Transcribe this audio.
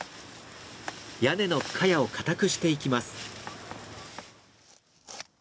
屋根のカヤを固くしていきます。